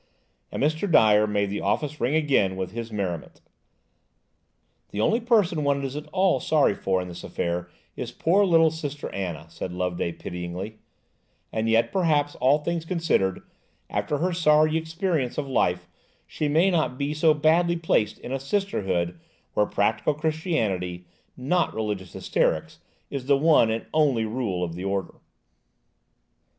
And Mr. Dyer made the office ring again with his merriment. "The only person one is at all sorry for in this affair is poor little Sister Anna," said Loveday pityingly; "and yet, perhaps, all things considered, after her sorry experience of life, she may not be so badly placed in a Sisterhood where practical Christianity–not religious hysterics–is the one and only rule of the order."